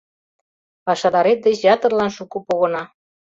Пашадарет деч ятырлан шуко погына...